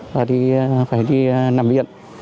và phải đi nằm viện